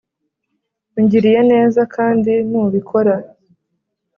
ungiriye neza kandi nubikora